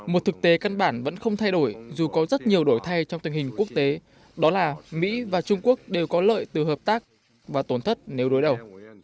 một thực tế căn bản vẫn không thay đổi dù có rất nhiều đổi thay trong tình hình quốc tế đó là mỹ và trung quốc đều có lợi từ hợp tác và tổn thất nếu đối đầu